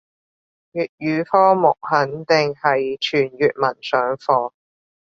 粵語科目肯定係全粵文上課